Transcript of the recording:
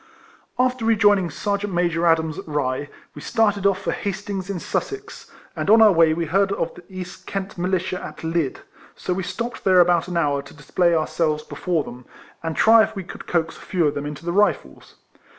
After rejoining Sergeant Major Adams at Rye, we started off for Hastings in Sussex, and on our way we heard of the East Kent Militia at Lydd ; so we stopped there about an hour to display ourselves before them, and try if we could coax a few of them into the Rifles.